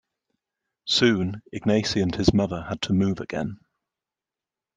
Soon, Ignacy and his mother had to move again.